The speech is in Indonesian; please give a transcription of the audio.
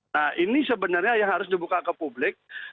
nah ini sebenarnya yang harus dibuka ke publik